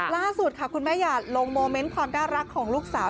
ล่าสุดค่ะคุณแม่หยาดลงโมเมนต์ความน่ารักของลูกสาว